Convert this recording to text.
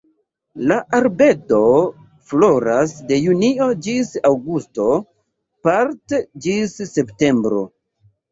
La arbedo floras de junio ĝis aŭgusto, part ĝis septembro.